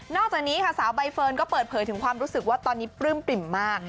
จากนี้ค่ะสาวใบเฟิร์นก็เปิดเผยถึงความรู้สึกว่าตอนนี้ปลื้มปริ่มมาก